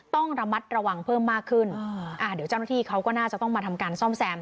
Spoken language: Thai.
ต้องระมัดระวังเพิ่มมากขึ้นเดี๋ยวเจ้าหน้าที่เขาก็น่าจะต้องมาทำการซ่อมแซม